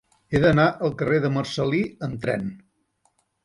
He d'anar al carrer de Marcel·lí amb tren.